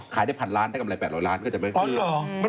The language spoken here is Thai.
ขายได้๑๐๐ล้านได้กำไร๘๐๐ล้านก็จะไม่เพิ่ม